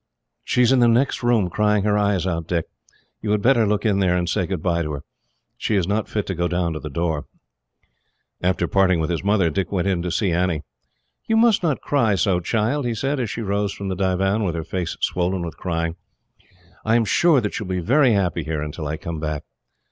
"She is in the next room, crying her eyes out, Dick. You had better look in there, and say goodbye to her. She is not fit to go down to the door." After parting with his mother, Dick went in to see Annie. "You must not cry so, child," he said, as she rose from the divan, with her face swollen with crying. "I am sure that you will be very happy here, until I come back."